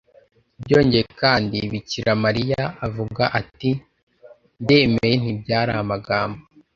byongeye kandi bikira mariya avuga ati ndemeye ntibyari amagambo